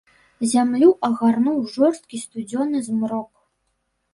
Зямлю агарнуў жорсткі сцюдзёны змрок.